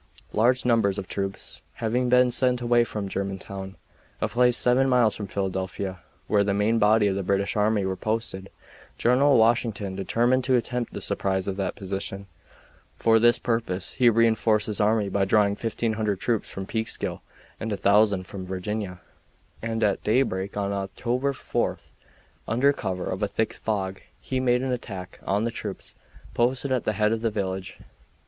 Large numbers of troops having been sent away from Germantown, a place seven miles from Philadelphia, where the main body of the British army were posted, General Washington determined to attempt the surprise of that position. For this purpose he re enforced his army by drawing 1500 troops from Peekskill and 1000 from Virginia, and at daybreak on October 4, under cover of a thick fog, he made an attack on the troops posted at the head of the village.